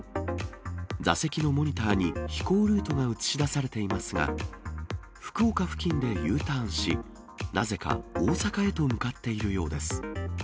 座席のモニターに飛行ルートが映し出されていますが、福岡付近でＵターンし、なぜか大阪へと向かっているようです。